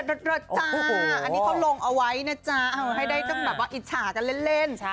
อันนี้เขาลงเอาไว้นะจ๊ะให้ได้ต้องแบบว่าอิจฉากันเล่น